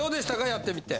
やってみて。